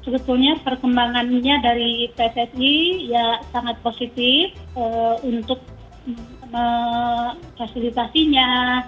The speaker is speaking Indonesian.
sebetulnya perkembangannya dari pssi ya sangat positif untuk memfasilitasinya